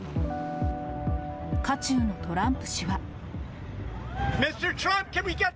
渦中のトランプ氏は。